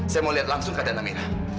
saya mau lihat langsung keadaan amira